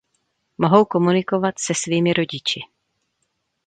Mohou komunikovat se svými rodiči.